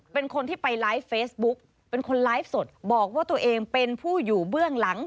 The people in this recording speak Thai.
เป็นคนที่ไปไลฟ์เฟซบุ๊กเป็นคนไลฟ์สดบอกว่าตัวเองเป็นผู้อยู่เบื้องหลัง